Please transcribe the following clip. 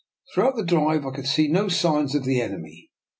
Throughout the drive I could see no signs of the enemy.